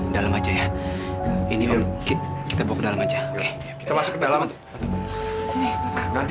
mama nggak pernah boleh buka kamu lagi